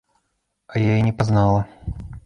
А я і не пазнала.